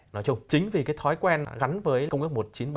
nói chung chính vì cái thói quen gắn với công ước một nghìn chín trăm bảy mươi hai